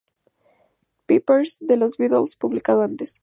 Pepper's", de los Beatles, publicado antes.